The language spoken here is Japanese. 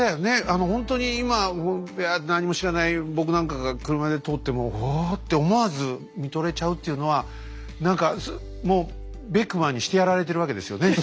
あのほんとに今何も知らない僕なんかが車で通っても「うわあ」って思わず見とれちゃうっていうのは何かもうベックマンにしてやられてるわけですよね。